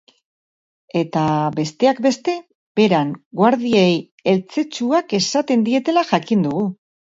Eta, besteak beste, Beran guardiei eltzetzuak esaten dietela jakin dugu.